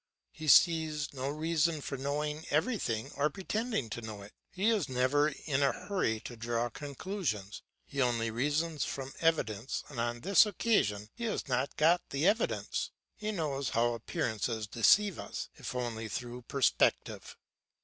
He sees no reason for knowing everything or pretending to know it; he is never in a hurry to draw conclusions. He only reasons from evidence and on this occasion he has not got the evidence. He knows how appearances deceive us, if only through perspective.